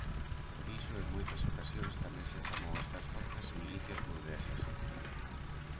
Por iso en moitas ocasións tamén se chamou a estas forzas "milicias burguesas".